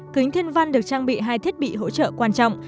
kính thiên văn được trang bị hai thiết bị hỗ trợ quan trọng